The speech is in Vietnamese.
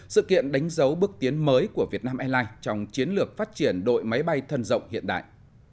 sự kiện đánh dấu bước tiến mới của vn a trong chiến lược phát triển đội máy bay thân rộng hiện đại